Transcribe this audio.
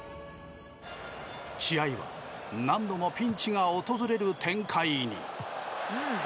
試合は何度もピンチが訪れる展開に。